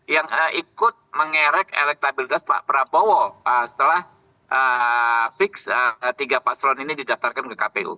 yang ikut mengerek elektabilitas pak prabowo setelah fix tiga paslon ini didaftarkan ke kpu